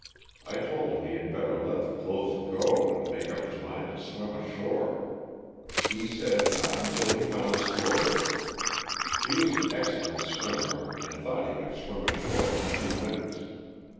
I told him he had better let the clothes go and make up his mind to swim ashore. He said not until he found his clothes. He was an excel lent swimmer and thought he could swim ashore in a few minutes.